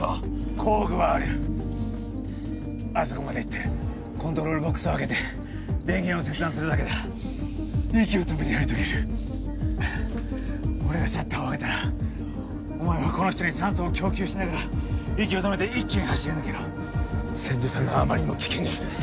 工具はあるあそこまで行ってコントロールボックスを開けて電源を切断するだけだ息を止めてやり遂げる俺がシャッターを上げたらお前はこの人に酸素を供給しながら息を止めて一気に走り抜けろ千住さんがあまりにも危険です